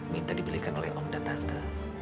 minta dibelikan oleh om dan tante